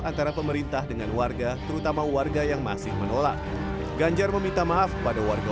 antara pemerintah dengan warga terutama warga yang masih menolak ganjar meminta maaf pada warga